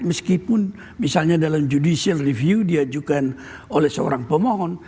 meskipun misalnya dalam judicial review diajukan oleh seorang pemohon